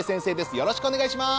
よろしくお願いします